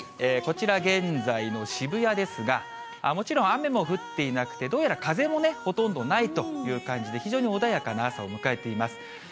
こちら現在の渋谷ですが、もちろん雨も降っていなくて、どうやら風もね、ほとんどないという感じで、非常に穏やかな朝を迎えています。